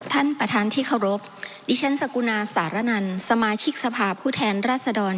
ท่านประธานที่เคารพดิฉันสกุณาสารนันสมาชิกสภาพผู้แทนรัศดร